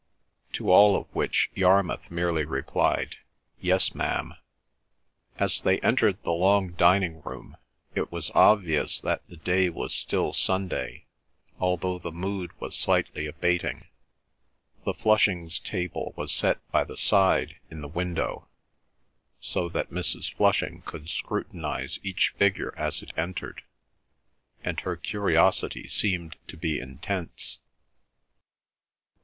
To all of which Yarmouth merely replied, "Yes, ma'am." As they entered the long dining room it was obvious that the day was still Sunday, although the mood was slightly abating. The Flushings' table was set by the side in the window, so that Mrs. Flushing could scrutinise each figure as it entered, and her curiosity seemed to be intense.